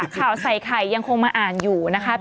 ข่าวใส่ไข่ยังคงมาอ่านอยู่นะคะ